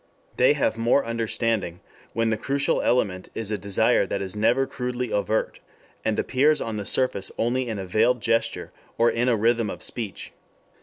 They have more understanding when the crucial element is a desire that is never crudely overt, and appears on the surface only in a veiled gesture, or in a rhythm of speech.